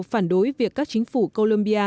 phản đối việc các chính phủ colombia